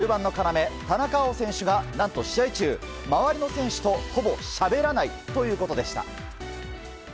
中澤さんが驚いたのは中盤の要田中碧選手が、何と試合中周りの選手と、ほぼしゃべらないということでした。